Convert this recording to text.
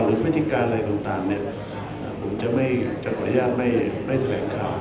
พฤติการอะไรต่างเนี่ยผมจะขออนุญาตไม่แถลงข่าว